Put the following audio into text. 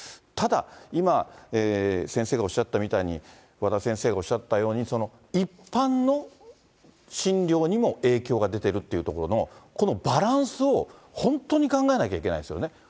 ただ、今、先生がおっしゃったみたいに、和田先生がおっしゃったように、一般の診療にも影響が出てるっていうところのこのバランスを本当に考えなきゃいけないですよね。